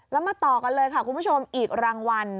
แล้วมาต่อกันเลยค่ะคุณผู้ชมอีกรางวัล